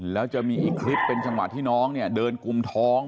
แล้วจะมีอีกคลิปเป็นจังหวะที่น้องเนี่ยเดินกุมท้อง